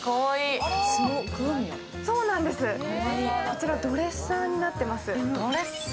こちらドレッサーになってます。